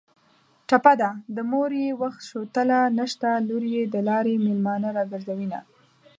ټپه ده: د مور یې وخت شوتله نشته لور یې د لارې مېلمانه راګرځوینه